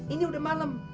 ini udah malem